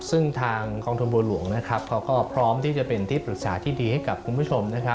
ซึ่งทางกองทุนบัวหลวงนะครับเขาก็พร้อมที่จะเป็นที่ปรึกษาที่ดีให้กับคุณผู้ชม